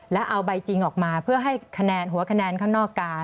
แล้วเอาใบจริงออกมาเพื่อให้คะแนนหัวคะแนนข้างนอกการ